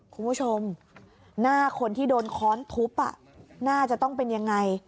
คุณผู้ชมหน้าคนที่โดนค้อนทุบน่าจะต้องเป็นยังไง